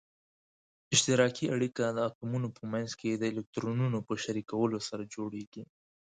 اشتراکي اړیکه د اتومونو په منځ کې د الکترونونو په شریکولو سره جوړیږي.